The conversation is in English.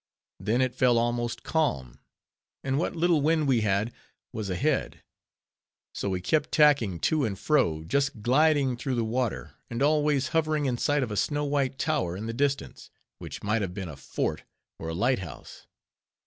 Then it fell almost calm, and what little wind we had, was ahead; so we kept tacking to and fro, just gliding through the water, and always hovering in sight of a snow white tower in the distance, which might have been a fort, or a light house.